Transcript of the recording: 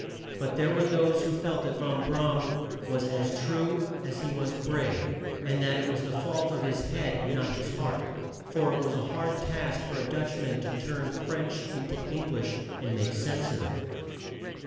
But there were those who felt that Van Bra am was as true as he was brave, and that it was the fault of his head and not his heart, for it was a hard task for a Dutch man to turn French in to Eng lish, and make sense of it.